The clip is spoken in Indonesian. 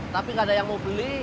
tapi nggak ada yang mau beli